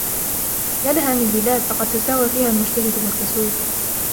يا لها من بلاد! لقد تساوى فيها المجتهد و الكسول.